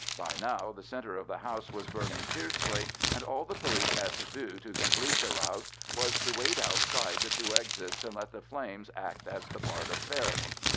By now the centre of the house was burning fiercely, and all the police had to do to complete the rout was to wait outside the two exits and let the flames act the part of ferrets.